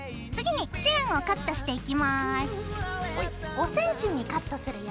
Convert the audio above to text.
５ｃｍにカットするよ。